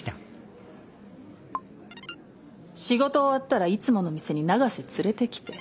「仕事終わったらいつもの店に永瀬連れてきて。